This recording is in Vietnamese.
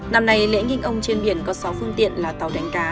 năm nay lễ nghi ông trên biển có sáu phương tiện là tàu đánh cá